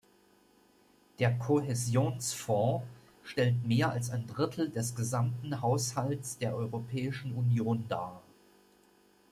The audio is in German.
Der Kohäsionsfonds stellt mehr als ein Drittel des gesamten Haushalts der Europäischen Union dar.